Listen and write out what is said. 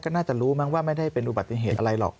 ก็น่าจะรู้มั้งว่าไม่ได้เป็นอุบัติเหตุอะไรหรอก